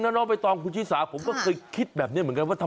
นะน่ะไปตอนภูชีศาภูเคยคิดแบบนี้เหมือนกันว่าทำไม